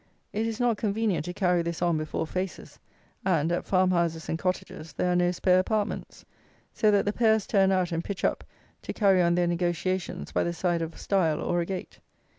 It is not convenient to carry this on before faces, and, at farmhouses and cottages, there are no spare apartments; so that the pairs turn out, and pitch up, to carry on their negociations, by the side of stile or a gate.